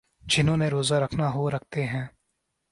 جنہوں نے روزہ رکھنا ہو رکھتے ہیں۔